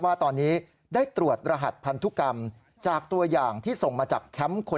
ว่าตอนนี้ได้ตรวจรหัสพันธุกรรม